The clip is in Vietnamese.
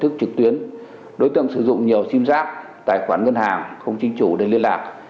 thức trực tuyến đối tượng sử dụng nhiều sim giác tài khoản ngân hàng không chính chủ để liên lạc